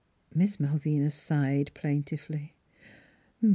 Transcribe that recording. Miss Malvina sighed plaintively.